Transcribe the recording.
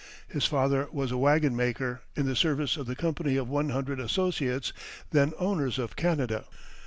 His father was a wagon maker, in the service of the Company of One Hundred Associates, then owners of Canada.